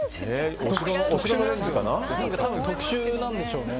多分、特殊なんでしょうね。